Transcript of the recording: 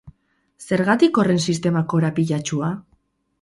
Zergatik horren sistema korapilatsua?